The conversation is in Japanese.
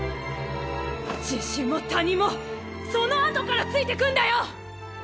自信も他人もそのあとからついてくんだよ！